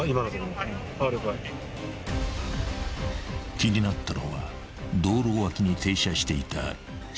［気になったのは道路脇に停車していた白い車］